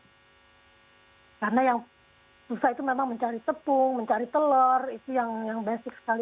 karena yang susah itu memang mencari tepung mencari telur itu yang basic sekali